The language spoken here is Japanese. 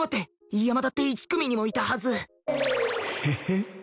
山田って１組にもいたはずヘヘッ。